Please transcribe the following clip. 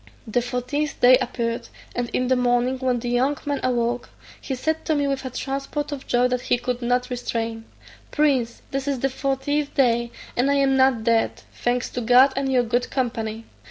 The fortieth day appeared: and in the morning, when the young man awoke, he said to me with a transport of joy that he could not restrain, "Prince, this is the fortieth day, and I am not dead, thanks to God and your good company.